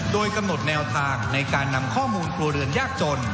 โดยกำหนดแนวทางในการนำข้อมูลครัวเรือนยากจน